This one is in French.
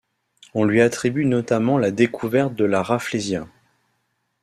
On lui attribue notamment la découverte de la Rafflesia.